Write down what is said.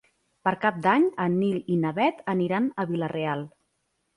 Per Cap d'Any en Nil i na Bet aniran a Vila-real.